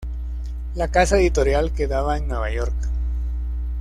La casa editorial quedaba en Nueva York.